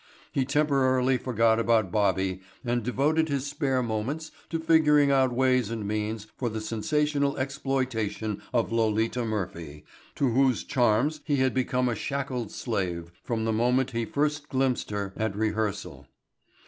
He temporarily forgot about Bobby and devoted his spare moments to figuring out ways and means for the sensational exploitation of Lolita Murphy to whose charms he had become a shackled slave from the moment he first glimpsed her at rehearsal.